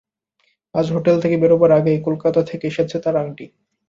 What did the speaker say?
আজ হোটেল থেকে বেরোবার আগেই কলকাতা থেকে এসেছে তার আংটি।